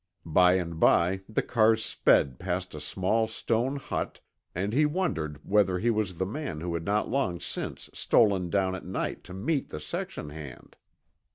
By and by the cars sped past a small stone hut and he wondered whether he was the man who had not long since stolen down at night to meet the section hand.